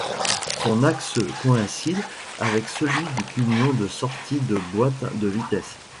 Son axe coïncide avec celui du pignon de sortie de boîte de vitesses.